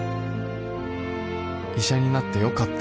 医者になってよかった